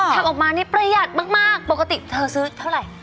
ทำออกมานี่ประหยัดมากปกติเธอซื้อเท่าไหร่